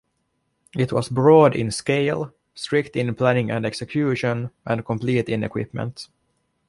It was broad in scale, strict in planning and execution, and complete in equipment.